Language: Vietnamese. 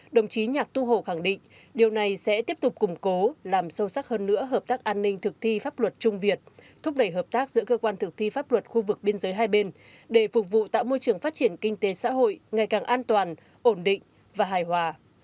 đồng chí nhạc tu hồ khẳng định điều này sẽ tiếp tục củng cố làm sâu sắc hơn nữa hợp tác an ninh thực thi pháp luật trung việt thúc đẩy hợp tác giữa cơ quan thực thi pháp luật khu vực biên giới hai bên để phục vụ tạo môi trường phát triển kinh tế xã hội ngày càng an toàn ổn định và hài hòa